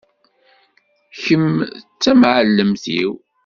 Kem d tamɛellemt-iw.